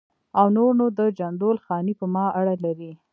او نور نو د جندول خاني په ما اړه لري.